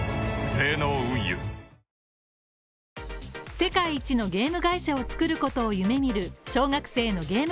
世界一のゲーム会社を作ることを夢見る小学生のゲーム